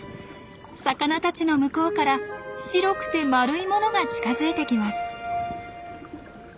魚たちの向こうから白くて丸いものが近づいてきます。